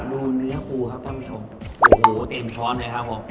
เนื้อปูครับท่านผู้ชมโอ้โหเต็มช้อนเลยครับผม